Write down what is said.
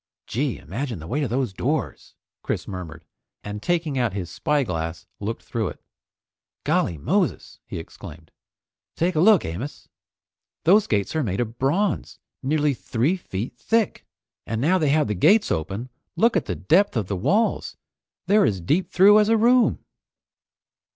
"Gee! Imagine the weight of those doors!" Chris murmured, and taking out his spyglass looked through it. "Golly Moses!" he exclaimed. "Take a look, Amos. Those gates are made of bronze, nearly three feet thick! And now they have the gates open, look at the depth of the walls. They're as deep through as a room!"